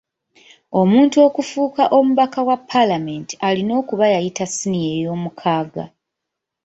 Omuntu okufuuka omubaka wa Paalamenti alina okuba yayita siniya eyoomukaaga.